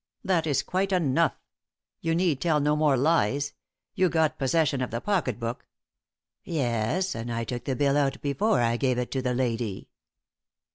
That is quite enough; you need tell no more lies. You got possession of the pocket book " "Yes; and I took the bill out before I gave it to the lady."